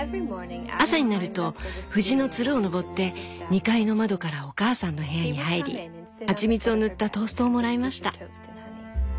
朝になると藤のつるを登って２階の窓からお母さんの部屋に入り蜂蜜を塗ったトーストをもらいました」。